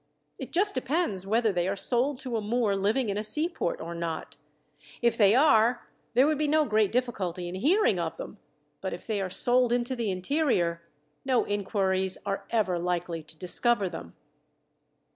It just depends whether they are sold to a Moor living in a seaport or not. If they are, there would be no great difficulty in hearing of them, but if they are sold into the interior, no inquiries are ever likely to discover them."